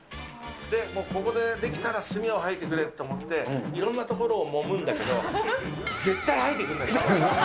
で、もうここで、できたら墨を吐いてくれと思って、いろんな所をもむんだけど、絶対吐いてくんない。